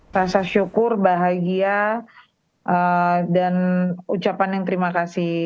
rasa syukur bahagia dan ucapan yang terima kasih